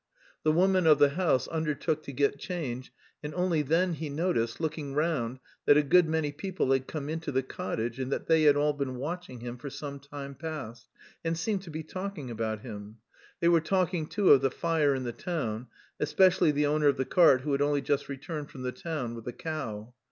The woman of the house undertook to get change, and only then he noticed, looking round, that a good many people had come into the cottage, and that they had all been watching him for some time past, and seemed to be talking about him. They were talking too of the fire in the town, especially the owner of the cart who had only just returned from the town with the cow.